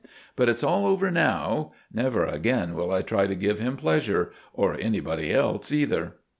But it's all over now. Never again will I try to give him pleasure—or anybody else either.